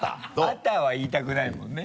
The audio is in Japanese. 「あた」は言いたくないもんね？